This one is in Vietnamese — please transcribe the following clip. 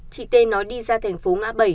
chị t nói đi ra thành phố ngã bảy